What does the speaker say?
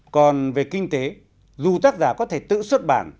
còn về kinh tế dù tác giả có thể tự xuất bản